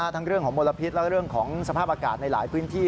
เรื่องของมลพิษและเรื่องของสภาพอากาศในหลายพื้นที่